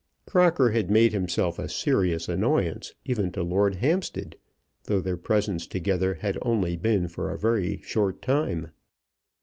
Crocker had made himself a serious annoyance even to Lord Hampstead, though their presence together had only been for a very short time.